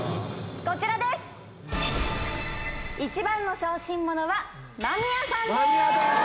一番の小心者は間宮さんでーす！